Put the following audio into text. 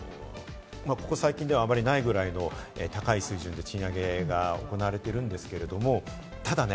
今年の春闘は、ここ最近ではあまりないくらいの高い水準で賃上げが行われているんですけれども。